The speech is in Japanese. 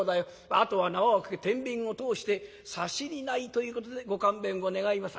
「あとは縄をかけ天秤を通して差し荷いということでご勘弁を願います」。